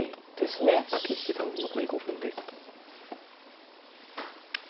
佐々木七段残り５分です。